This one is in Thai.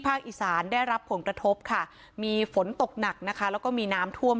อีสานได้รับผลกระทบค่ะมีฝนตกหนักนะคะแล้วก็มีน้ำท่วม